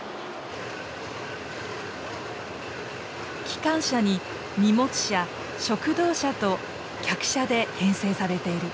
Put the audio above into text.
機関車に荷物車食堂車と客車で編成されている。